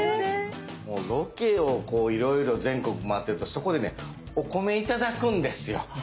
もうロケをいろいろ全国回ってるとそこでねお米頂くんですよ。